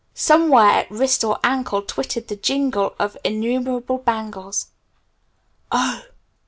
Somewhere at wrist or ankle twittered the jingle of innumerable bangles. "Oh!